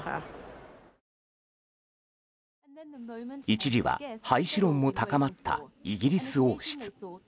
一時は、廃止論も高まったイギリス王室。